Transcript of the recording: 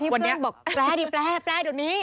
ที่เพื่อนบอกแปลดิแปลแปลตรงนี้